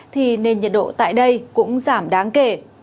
thì nền nhiệt độ tại đây cũng giảm đáng kể